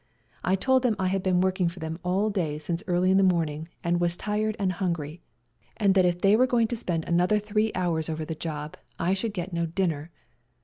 I told them I had been working for them all day since early in the morning, and was tired and hungry, and that if they were going WE GO TO CORFU 219 to spend another three hours over the job I should get no dinner.